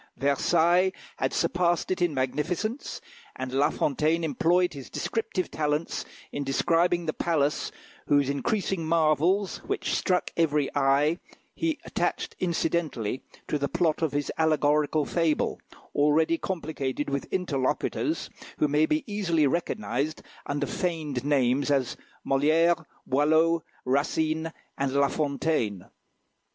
Versailles had surpassed it in magnificence, and La Fontaine employed his descriptive talents in describing the palace whose increasing marvels, which struck every eye, he attached incidentally to the plot of his allegorical fable, already complicated with interlocutors, who may be easily recognised under feigned names as Molière, Boileau, Racine, and La Fontaine.